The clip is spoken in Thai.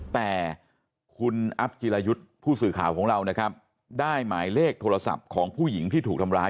แต่คุณอัพจิรายุทธ์ผู้สื่อข่าวของเรานะครับได้หมายเลขโทรศัพท์ของผู้หญิงที่ถูกทำร้าย